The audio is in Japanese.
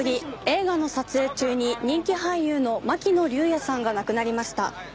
映画の撮影中に人気俳優の巻乃竜也さんが亡くなりました。